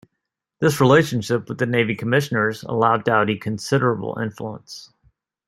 This relationship with the Navy Commissioners allowed Doughty considerable influence.